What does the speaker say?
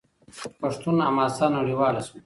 پښتون حماسه نړیواله شوه.